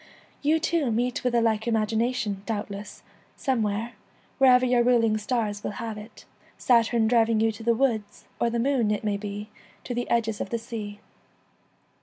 You too meet with a like imagination, doubtless, some where, wherever your ruling stars will have it, Saturn driving you to the woods, or the Moon, it may be, to the edges of the sea.